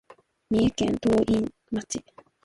三重県東員町